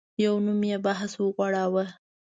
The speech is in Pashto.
پر نوم یې بحث وغوړاوه.